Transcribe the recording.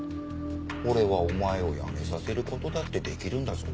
俺はお前を辞めさせる事だって出来るんだぞ。